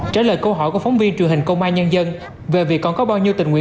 trả lời câu hỏi của phóng viên truyền hình công an nhân dân về việc còn có bao nhiêu tình nguyện